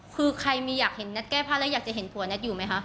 คือใครมีอยากเห็นนัทแก้ผ้าแล้วอยากจะเห็นผัวนัทอยู่ไหมคะ